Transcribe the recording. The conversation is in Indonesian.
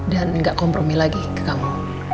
dan ga kompromi lagi ke kamu